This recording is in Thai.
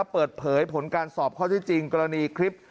เปิดเผยผลการสอบข้อที่จริงกรณีคลิป